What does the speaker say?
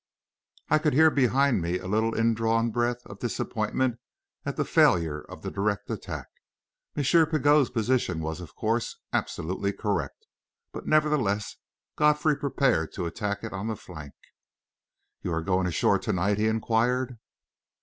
I could hear behind me the little indrawn breath of disappointment at the failure of the direct attack. M. Pigot's position was, of course, absolutely correct; but nevertheless Godfrey prepared to attack it on the flank. "You are going ashore to night?" he inquired.